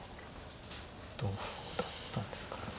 どこだったんですかね。